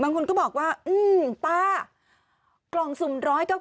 บางคนก็บอกว่าป้ากล่องสุ่ม๑๙๙